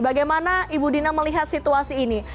bagaimana ibu dina melihat situasi ini